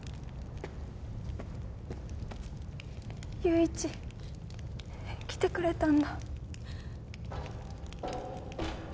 友一来てくれたんだ。